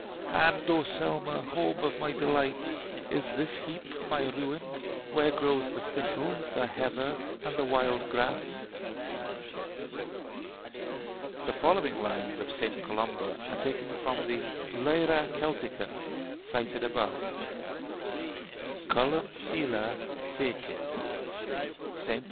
And O Selma! home of my delight, Is this heap my ruin, Where grows the thistle, the heather, and the wild grass? The following lines of St. Columba are taken from the 'Lyra Celtica,' cited above: COLUMCILLE FECIT (ST.